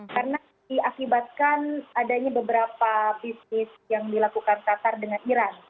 karena diakibatkan adanya beberapa bisnis yang dilakukan qatar dengan iran